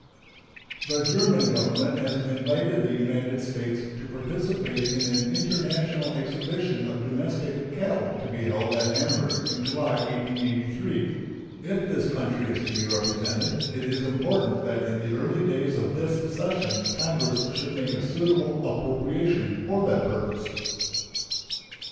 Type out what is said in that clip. The German Government has invited the United States to participate in an international exhibition of domestic cattle to be held at Hamburg in July, 1883. If this country is to be represented, it is important that in the early days of this session Congress should make a suitable appropriation for that purpose.